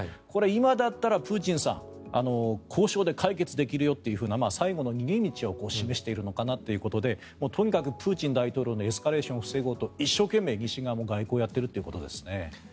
これ、今だったらプーチンさん交渉で解決できるよという最後の逃げ道を示しているのかなということでとにかくプーチン大統領のエスカレーションを防ごうと一生懸命、西側も外交をやっているということですね。